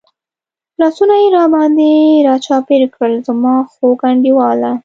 لاسونه یې را باندې را چاپېر کړل، زما خوږ انډیواله.